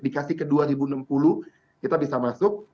dikasih ke dua ribu enam puluh kita bisa masuk